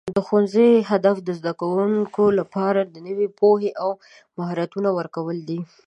د ښوونځي هدف د زده کوونکو لپاره د نوي پوهې او مهارتونو ورکول دي.